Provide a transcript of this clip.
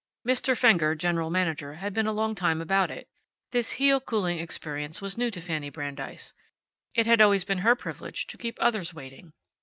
Mr. Fenger, general manager, had been a long time about it. This heel cooling experience was new to Fanny Brandeis. It had always been her privilege to keep others waiting.